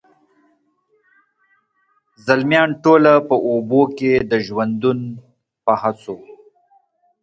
زلمیان ټوله په اوبو کي د ژوندون په هڅو،